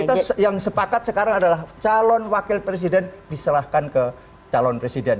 kita yang sepakat sekarang adalah calon wakil presiden diserahkan ke calon presiden